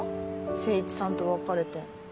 誠一さんと別れて。